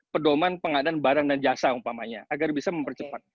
pedoman pengadaan barang dan jasa umpamanya agar bisa mempercepat